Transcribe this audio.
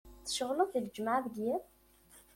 Tceɣleḍ d lǧemεa deg yiḍ?